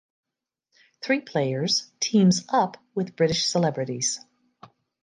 Three players teams up with British celebrities.